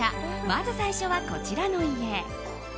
まず最初はこちらの家。